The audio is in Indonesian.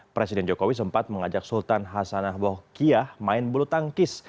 presiden jokowi sempat mengajak sultan hasanah bohkiah main bulu tangkis